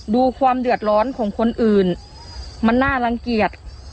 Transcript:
ดูความเดือดร้อนของคนอื่นมันน่ารังเกียจ